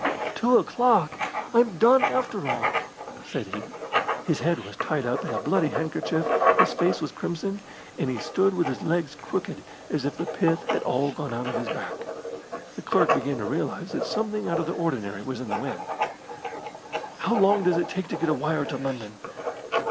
"Two o'clock! I'm done after all!" said he. His head was tied up in a bloody handkerchief, his face was crimson, and he stood with his legs crooked as if the pith had all gone out of his back. The clerk began to realise that something out of the ordinary was in the wind. "How long does it take to get a wire to London?"